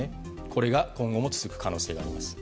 これが今後も続く可能性があります。